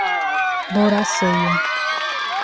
Boraceia